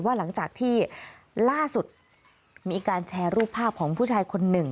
หลังจากที่ล่าสุดมีการแชร์รูปภาพของผู้ชายคนหนึ่ง